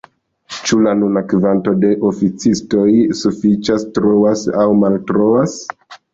Ĉu la nuna kvanto de oficistoj sufiĉas, troas aŭ maltroas?